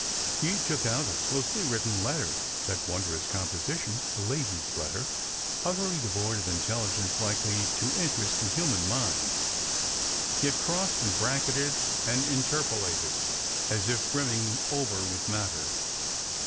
She took out a closely written letter ; that wondrous compo sition, a lady's letter, utterly devoid of intelligence likely to intci est the human mind, yet crossed and bracketed and inter polated, as if brimming over with matter.